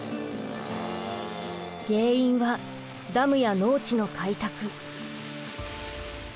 原因はダムや農地の開拓。